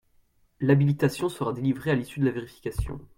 L’habilitation sera délivrée à l’issue de la vérification.